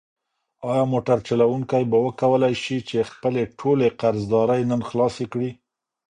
ایا موټر چلونکی به وکولی شي چې خپلې ټولې قرضدارۍ نن خلاصې کړي؟